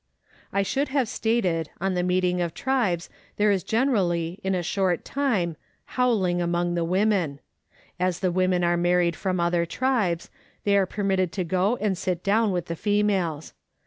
I should have stated, on the meeting of tribes there is generally, in a short time, howling among the women. As the women are married from other tribes, they are permitted to go and sit down with the females.